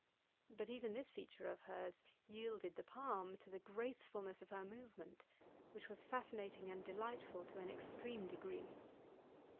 But even this feature of hers yielded the palm to the gracefulness of her movement, which was fascinating and delightful to an extreme degree.